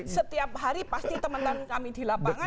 setiap hari pasti teman teman kami di lapangan